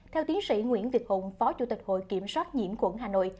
theo tiến sĩ nguyễn việt hùng phó chủ tịch hội kiểm soát diễm quận hà nội